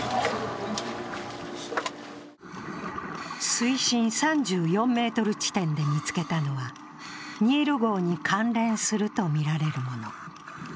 水深３４ｍ地点で見つけたのはニール号に関連するとみられるもの。